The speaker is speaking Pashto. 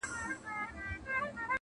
سیوري ته د پلونو مي کاروان راسره وژړل-